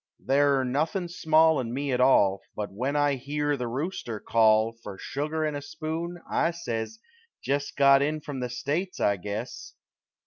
There 're nothin' small in me at all, But when I heer the rooster call For shugar and a spoon, I says: "Jest got in from the States, I guess."